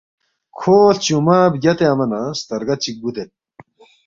کھو ہلچُونگمہ بگیا تیانگما نہ سترگہ چِک بُودید